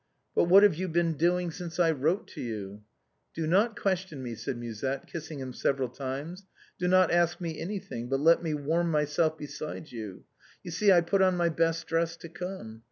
" But what have you been doing since I wrote to you ?"" Do not question me," said Musette, kissing him several times. " Do not ask me anything, but let me warm myself beside you. You see I put on my best dress to come.